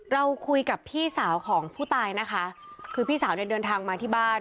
เราคุยกับพี่สาวของผู้ตายนะคะคือพี่สาวเนี่ยเดินทางมาที่บ้าน